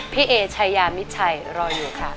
พี่เอ๋ชัยามิชัยรออยู่ค่ะ